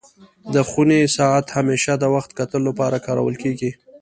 د خوني ساعت همېشه د وخت کتلو لپاره کارول کيږي.